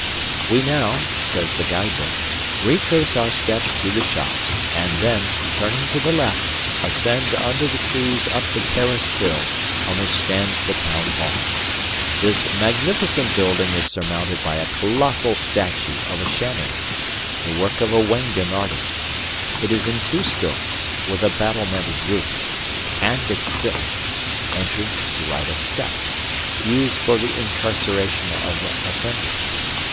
"We now," says the guide book, "retrace our steps to the shops, and then, turning to the left, ascend under the trees up the terraced hill on which stands the Town Hall. This magnificent building is surmounted by a colossal statue of a chamois, the work of a Wengen artist; it is in two stories, with a battlemented roof, and a crypt (entrance to right of steps) used for the incarceration of offenders.